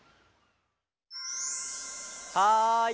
はい。